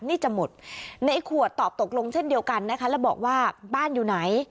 นี่จะหมดในขวดตอบตกลงเช่นเดียวกันนะคะแล้วบอกว่าบ้านอยู่ไหน